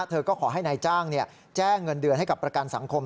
เธอก็ขอให้นายจ้างแจ้งเงินเดือนให้กับประกันสังคม